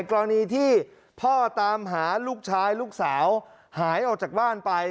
กรณีที่พ่อตามหาลูกชายลูกสาวหายออกจากบ้านไป